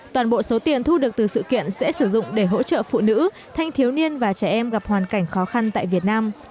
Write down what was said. toàn bộ số tiền thu được từ sự kiện sẽ sử dụng để hỗ trợ phụ nữ thanh thiếu niên và trẻ em gặp hoàn cảnh khó khăn tại việt nam